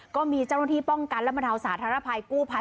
ก็มีเจ้าหน้าที่ป้องกันและบรรเทาสาธารณภัยกู้ภัย